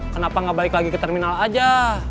kenapa nggak balik lagi ke terminal aja